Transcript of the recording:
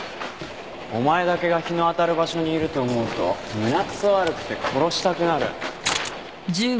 お前だけが日の当たる場所にいると思うと胸くそ悪くて殺したくなる。